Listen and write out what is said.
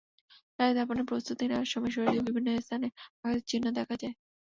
লাশ দাফনের প্রস্তুতি নেওয়ার সময় শরীরের বিভিন্ন স্থানে আঘাতের চিহ্ন দেখা যায়।